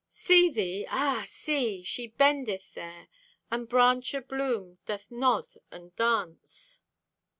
See thee, ah, see! She bendeth there, And branch o' bloom doth nod and dance.